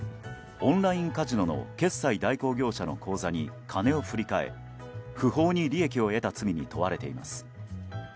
オンラインカジノの決済代行業者の口座に金を振り替え、不法に利益を得た罪に問われています。